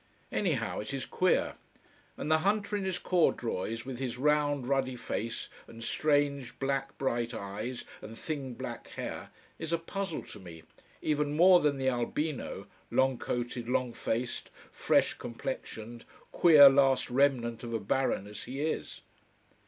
Anyhow it is queer: and the hunter in his corduroys, with his round, ruddy face and strange black bright eyes and thin black hair is a puzzle to me, even more than the albino, long coated, long faced, fresh complexioned, queer last remnant of a baron as he is.